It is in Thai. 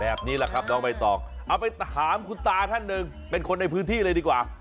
เอาไปถามคุณตาท่านหนึ่งเป็นคนในพื้นที่เลยดีกว่า